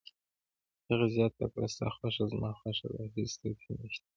هغې زیاته کړه: ستا خوښه زما خوښه ده، هیڅ توپیر نشته.